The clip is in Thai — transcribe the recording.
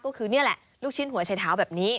ก็คือนี่แหละลูกชิ้นหัวชัยเท้าแบบนี้